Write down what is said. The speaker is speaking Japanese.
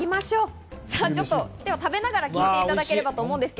食べながら聞いていただければと思います。